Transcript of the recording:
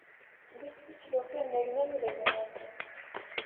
وچ وچ لوکیں نڑیاں وی لایاں نیاں سیاں